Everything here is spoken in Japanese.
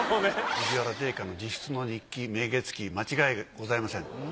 藤原定家の自筆の日記『明月記』間違いございません。